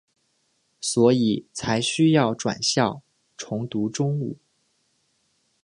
所以才需要转校重读中五。